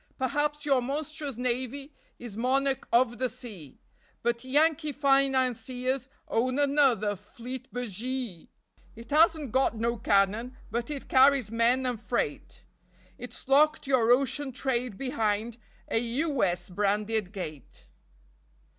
Perhaps your monstrous navy Is monarch of the sea, But Yankee financiers own Another fleet, b'gee! It hasn't got no'cannon, But it carries men and freight. It's locked your ocean trade behind A " U. S." branded gate.